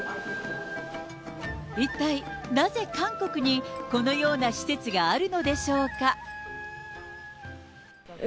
一体なぜ韓国に、このような施設があるのでしょうか。